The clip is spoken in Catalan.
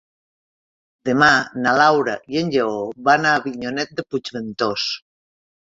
Demà na Laura i en Lleó van a Avinyonet de Puigventós.